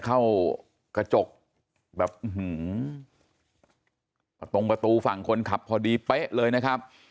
เข้ากระจกแบบตรงประตูฝั่งคนขับพอดีเป๊ะเลยนะครับ